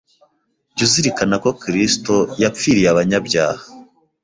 jya uzirikana ko Kristo yap riye abanyabyaha